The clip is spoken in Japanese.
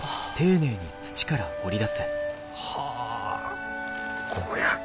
はあこりゃあ